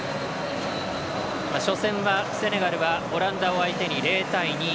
初戦はセネガルはオランダを相手に０対２。